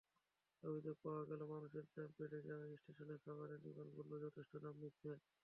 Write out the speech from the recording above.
অভিযোগ পাওয়া গেল, মানুষের চাপ বেড়ে যাওয়ায় স্টেশনের খাবারের দোকানগুলো যথেচ্ছ দাম নিচ্ছে।